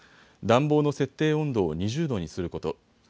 暖房の設定温度を２０度にすること。